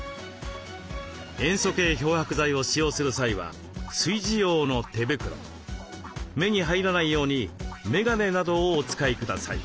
塩素系漂白剤を使用する際は炊事用の手袋目に入らないように眼鏡などをお使いください。